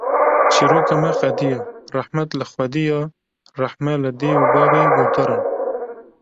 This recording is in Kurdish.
Çîroka me qediya, Rehmet li xwediya, rehme li dê û bavê guhdaran